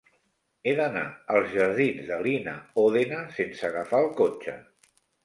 He d'anar als jardins de Lina Ódena sense agafar el cotxe.